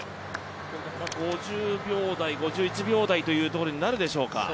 ５０秒台、５１秒台というところになるでしょうか。